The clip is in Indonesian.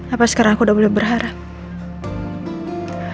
apa sekarang aku udah mulai berharap